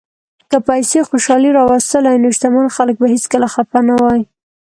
که پیسې خوشالي راوستلی، نو شتمن خلک به هیڅکله خپه نه وای.